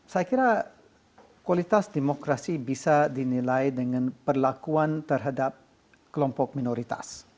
saya kira kualitas demokrasi bisa dinilai dengan perlakuan terhadap kelompok minoritas